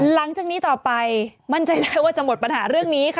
หลังจากนี้ต่อไปมั่นใจได้ว่าจะหมดปัญหาเรื่องนี้ค่ะ